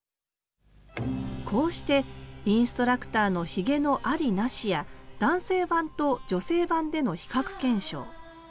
こうしてインストラクターのひげの「あり」「なし」や男性版と女性版での比較検証。